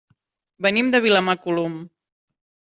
Venim de Vilamacolum.